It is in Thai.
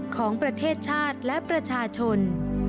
ของประเทศชาติและประชาชน